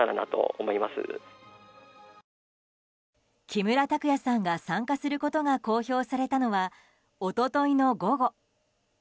木村拓哉さんが参加することが公表されたのは一昨日の午後。